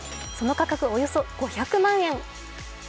その価格、およそ５００万円。